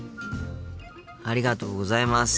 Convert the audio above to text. ありがとうございます。